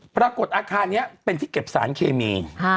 ปรากฏอาคารนี้เป็นที่เก็บสารเคมี